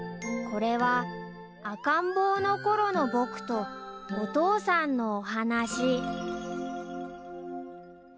［これは赤ん坊のころの僕とお父さんのお話］